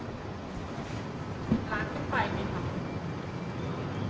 ๑๐ล้านขึ้นไปมั้ยครับ